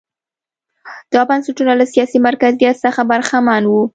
دا بنسټونه له سیاسي مرکزیت څخه برخمن وو.